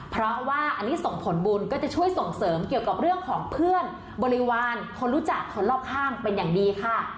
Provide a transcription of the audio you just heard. เพราะว่าอันนี้ส่งผลบุญก็จะช่วยส่งเสริมเกี่ยวกับเรื่องของเพื่อนบริวารคนรู้จักคนรอบข้างเป็นอย่างดีค่ะ